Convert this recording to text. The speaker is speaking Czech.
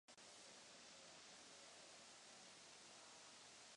Ministry jmenuje prezident na radu premiéra.